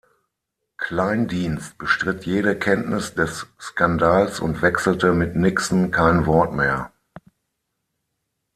Kleindienst bestritt jede Kenntnis des Skandals und wechselte mit Nixon kein Wort mehr.